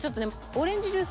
オレンジジュース